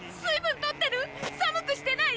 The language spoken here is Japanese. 寒くしてない？